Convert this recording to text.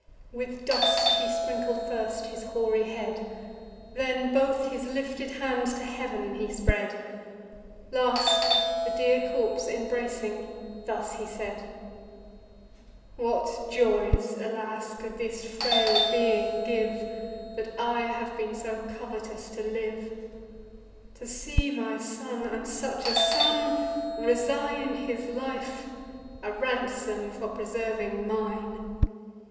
With dust he sprinkled first his hoary head; Then both his lifted hands to heav'n he spread; Last, the dear corpse embracing, thus he said: "What joys, alas! could this frail being give, That I have been so covetous to live? To see my son, and such a son, resign His life, a ransom for preserving mine!